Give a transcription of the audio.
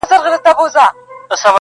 هغه نوري ورځي نه در حسابیږي؛